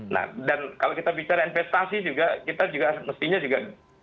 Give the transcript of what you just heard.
nah dan kalau kita bicara investasi juga kita juga mestinya juga